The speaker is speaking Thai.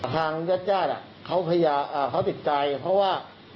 ทางรัฐอะเขาติดใจเพราะว่า